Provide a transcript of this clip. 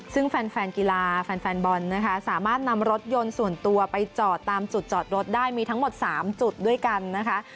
ซึ่งแฟนกีฬาแฟนบอลนะคะสามารถนำรถยนต์ส่วนตัวไปจอดตามจุดจอดรถได้มีทั้งหมด๓จุดด้วยกันนะคะ